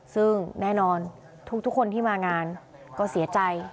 ซึ่งแน่นอนทุกคนที่มางานก็เสียใจ